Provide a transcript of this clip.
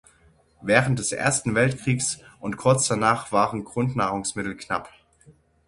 Während des Ersten Weltkriegs und kurz danach waren Grundnahrungsmittel knapp.